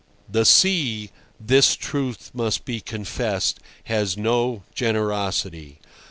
The sea—this truth must be confessed—has no generosity.